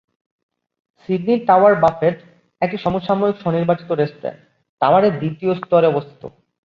Sydney tower buffet, একটি সমসাময়িক স্ব-নির্বাচিত রেস্টুরেন্ট, টাওয়ারের দ্বিতীয় স্তরে অবস্থিত।